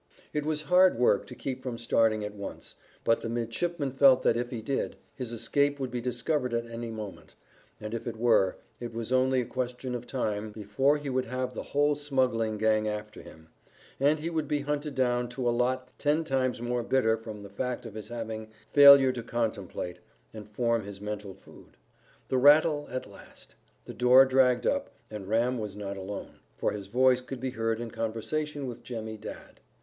It was hard work to keep from starting at once, but the midshipman felt that if he did, his escape would be discovered at any moment, and if it were, it was only a question of time before he would have the whole smuggling gang after him, and he would be hunted down to a lot ten times more bitter from the fact of his having failure to contemplate, and form his mental food. The rattle at last. The door dragged up, and Ram was not alone, for his voice could be heard in conversation with Jemmy Dadd.